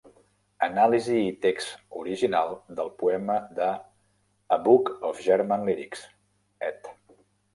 Anàlisi i text original del poema de "A Book of German Lyrics", ed.